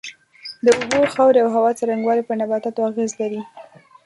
د اوبو، خاورې او هوا څرنگوالی پر نباتاتو اغېز لري.